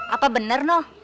apa bener noh